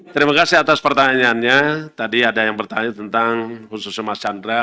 terima kasih atas pertanyaannya tadi ada yang bertanya tentang khususnya mas chandra